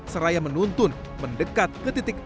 seraya menuntun mendekat ke titik